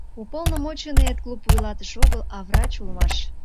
Уполномоченныет клуб вуйлатыше огыл, а врач улмаш.